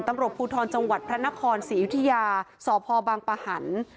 ตำรวจภูทรจังหวัดพระนครศรีอยุธยาสพบางปะหัน